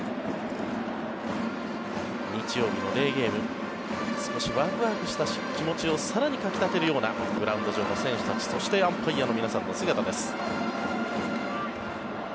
日曜日のデーゲーム少しワクワクした気持ちを更にかき立てるようなグラウンド上の選手たちそしてアンパイアの皆さんの姿です。